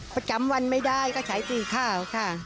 ประจำวันไม่ได้ก็ใช้สีขาวค่ะ